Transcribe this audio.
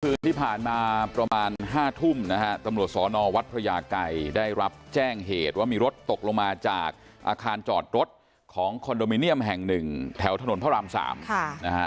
คืนที่ผ่านมาประมาณ๕ทุ่มนะฮะตำรวจสอนอวัดพระยาไกรได้รับแจ้งเหตุว่ามีรถตกลงมาจากอาคารจอดรถของคอนโดมิเนียมแห่งหนึ่งแถวถนนพระรามสามค่ะนะฮะ